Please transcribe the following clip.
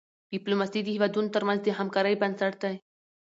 ډيپلوماسي د هېوادونو ترمنځ د همکاری بنسټ دی.